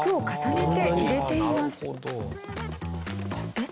えっ？